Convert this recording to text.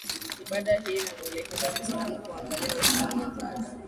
ibada hii inamuelekeza muislamu kuwaangalia waislamu wenzake